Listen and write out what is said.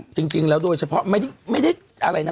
จริงแล้วโดยเฉพาะไม่ได้อะไรนะ